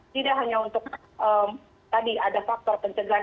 tidak hanya untuk tadi ada faktor pencegahan